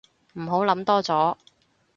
唔好諗多咗